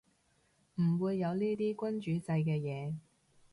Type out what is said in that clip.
唔會有呢啲君主制嘅嘢